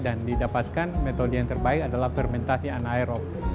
dan didapatkan metode yang terbaik adalah fermentasi anaerob